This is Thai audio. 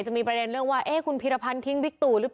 จะมีปัญหาออกการตัดตั้งรัฐธรรมัน